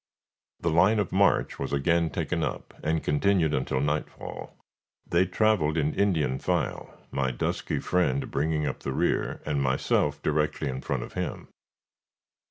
The line of march was again taken up, and continued until nightfall. They traveled in Indian file, my dusky friend bringing up the rear, and myself directly in front of him.